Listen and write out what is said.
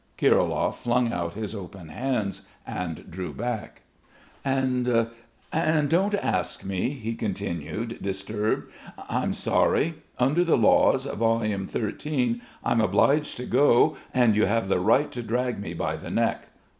Kirilov flung out his open hands and drew back. "And ... and don't ask me," he continued, disturbed. "I'm sorry.... Under the Laws, Volume XIII., I'm obliged to go and you have the right to drag me by the neck....